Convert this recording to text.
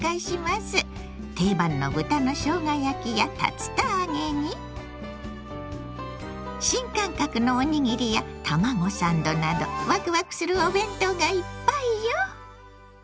定番の豚のしょうが焼きや竜田揚げに新感覚のおにぎりや卵サンドなどわくわくするお弁当がいっぱいよ！